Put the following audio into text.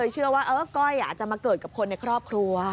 เชื่อว่าก้อยอาจจะมาเกิดกับคนในครอบครัว